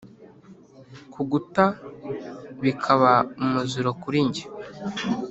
Kuguta bikaba umuziro kuri njye